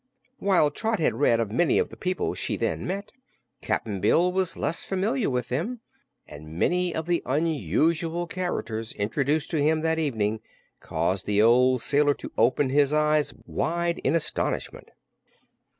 While Trot had read of many of the people she then met, Cap'n Bill was less familiar with them and many of the unusual characters introduced to him that evening caused the old sailor to open his eyes wide in astonishment.